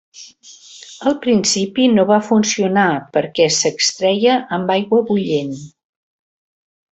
Al principi no va funcionar perquè s'extreia amb aigua bullent.